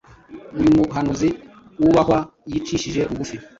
uyu muhanuzi wubahwa yicishije bugufi